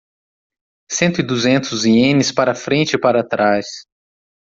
Cento e duzentos ienes para frente e para trás